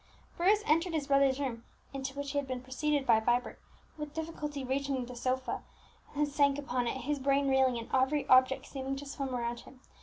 Bruce entered his brother's room, into which he had been preceded by Vibert, with difficulty reached the sofa, and then sank upon it, his brain reeling, and every object seeming to swim around him.